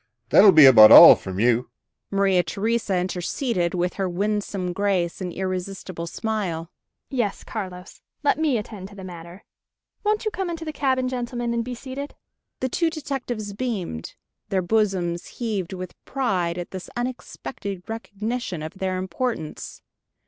That'll be about all from you." Maria Theresa interceded with her winsome grace and irresistible smile. "Yes, Carlos, let me attend to the matter. Won't you come into the cabin, gentlemen, and be seated?" The two detectives beamed, their bosoms heaved with pride at this unexpected recognition of their importance.